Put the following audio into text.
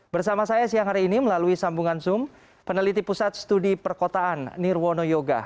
bersama saya siang hari ini melalui sambungan zoom peneliti pusat studi perkotaan nirwono yoga